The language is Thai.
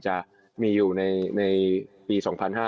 จะต่อสู้ในปี